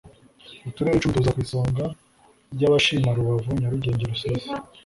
uturere icumi tuza ku isonga ry abashima rubavu nyarugenge rusizi